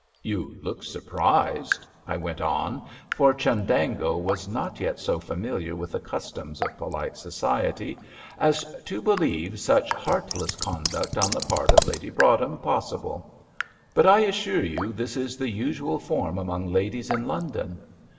You look surprised," I went on, for Chundango was not yet so familiar with the customs of polite society, as to believe such heartless conduct on the part of Lady Broadhem possible; "but I assure you this is the usual form among ladies in London.